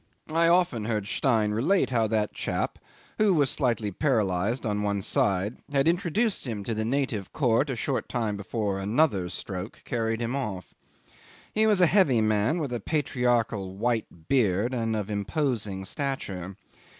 I often heard Stein relate how that chap, who was slightly paralysed on one side, had introduced him to the native court a short time before another stroke carried him off. He was a heavy man with a patriarchal white beard, and of imposing stature.